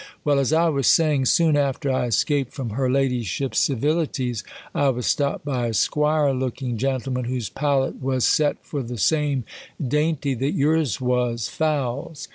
Well, as I was saying, soon after I escaped from her ladyship's civilities, I was stop ped by a 'Squire Jooking gentleman, whose palate was set for the same dainty that yours was, fowls.